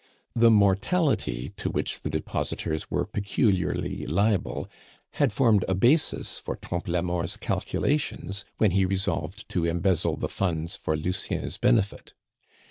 The mortality to which the depositors were peculiarly liable had formed a basis for Trompe la Mort's calculations when he resolved to embezzle the funds for Lucien's benefit.